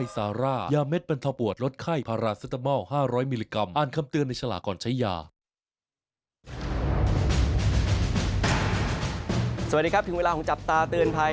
สวัสดีครับถึงเวลาของจับตาเตือนภัย